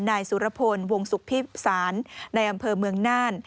นายสุรพลวงศุกร์พิสารในอำเภอเมืองน่าน